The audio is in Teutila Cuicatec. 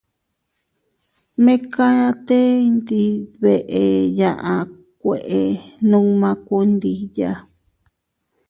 Mekatee ndi btee yaʼa kueʼe nunma kuandilla.